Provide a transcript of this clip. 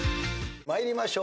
参りましょう。